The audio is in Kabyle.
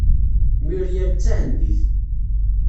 Muiriel d tahendit.